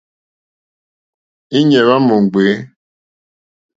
Íɲá hwá mò ŋɡbè.